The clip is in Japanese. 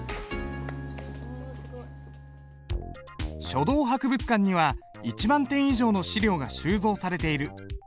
書道博物館には１万点以上の資料が収蔵されている。